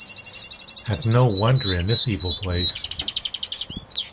And no wonder in this evil place.